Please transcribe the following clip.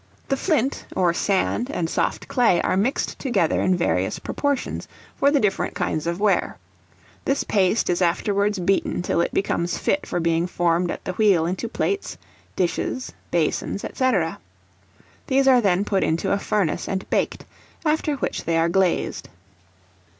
The flint or sand, and soft clay, are mixed together in various proportions for the different kinds of ware; this paste is afterwards beaten till it becomes fit for being formed at the wheel into plates, dishes, basins, &c. These are then put into a furnace and baked; after which they are glazed.